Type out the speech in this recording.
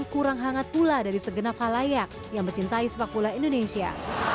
dibilang kurang hangat pula dari segenap hal layak yang mencintai sepak bola indonesia